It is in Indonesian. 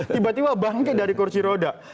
tiba tiba bangkit dari kursi roda